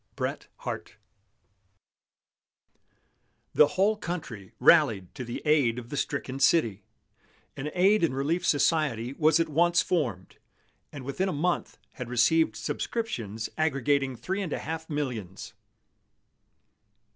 BRET HARTE. The whole country rallied to the aid of the stricken city. An Aid and Relief Society was at once formed, and within a month had received subscriptions aggregating three and a half millions.